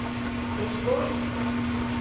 Mes mozi.